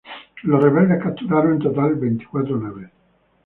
Los rebeldes capturaron en total veinticuatro naves.